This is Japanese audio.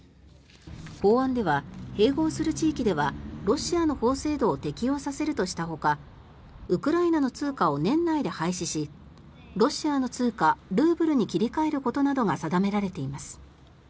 法案では併合する地域ではロシアの法制度を適用させるとしたほかウクライナの通貨を年内で廃止しロシアの通貨、ルーブルに切り替えることなどが定められています。